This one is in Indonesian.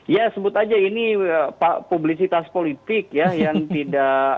ya sebut aja ini publisitas politik ya yang tidak